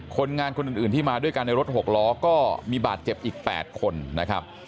คนงานคนอื่นที่มาด้วยกันในรถ๖ล้อก็มีบาดเจ็บอีก๘คนนะครับ